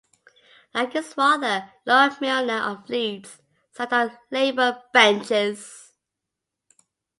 Like his father Lord Milner of Leeds sat on the Labour benches.